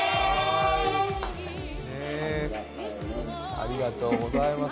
ありがとうございます。